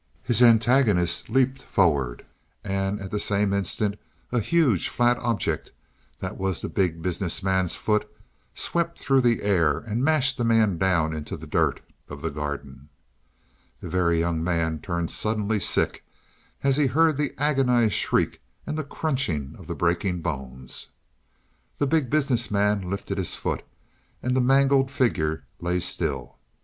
His antagonist leaped forward and at the same instant a huge, flat object, that was the Big Business Man's foot, swept through the air and mashed the man down into the dirt of the garden. The Very Young Man turned suddenly sick as he heard the agonized shriek and the crunching of the breaking bones. The Big Business Man lifted his foot, and the mangled figure lay still.